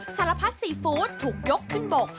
สารพัดซีฟู้ดถูกยกขึ้นบก